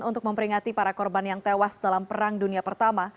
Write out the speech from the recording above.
untuk memperingati para korban yang tewas dalam perang dunia pertama